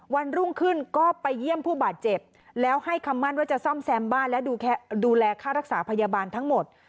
วันรุ่งขึ้นก็ไปเยี่ยมผู้บาดเจ็บแล้วให้คำมั่นว่าจะซ่อมแซมบ้านและดูแลค่ารักษาพยาบาลทั้งหมด